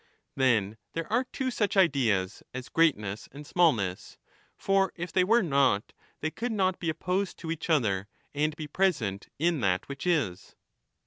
Then there are two such ideas as greatness and smallness ; for if they were not they could not be opposed to each other and be present in that which is.